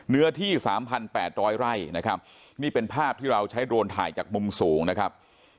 เนื้อที่๓๘๐๐ไร่นะครับนี่เป็นภาพที่เราใช้โดรนถ่ายจากมุมสูงนะครับ